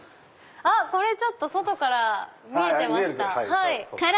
あっこれ外から見えてました。